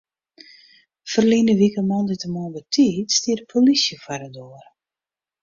Ferline wike moandeitemoarn betiid stie de polysje foar de doar.